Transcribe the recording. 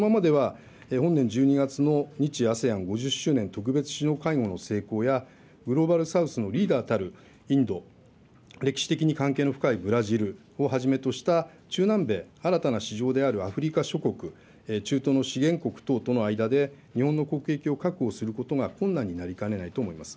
このままでは本年１２月の日ＡＳＥＡＮ５０周年特別首脳会合の成功や、グローバル・サウスのリーダーたるインド、歴史的に関係の深いブラジルをはじめとした中南米、新たな市場であるアフリカ諸国、中東の資源国等との間で、日本の国益を確保することが困難になりかねないと思います。